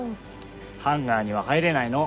ハンガーには入れないの。